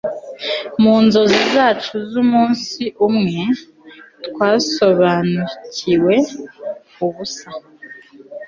mu nzozi zacu z'umunsi umwe twasobanukiwe ubusa